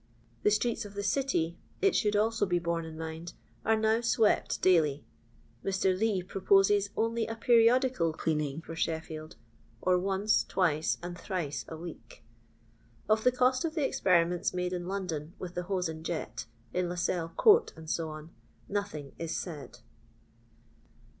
The streets of the City, it should also be borne in mind, are now swept daily; Mr. Lee proposes only a periodical cleaning for Sheffield, or once, twice, and thrice a week. Of the cost of the experiments made in London with the hose and jet, in Lascelles court, &c, nothing is said.